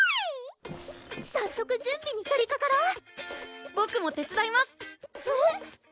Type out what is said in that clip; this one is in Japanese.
早速準備に取りかかろうボクも手伝いますえっ？